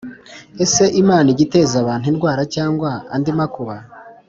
Ese Imana ijya iteza abantu indwara cyangwa andi makuba